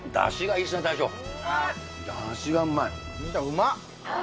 うまっ。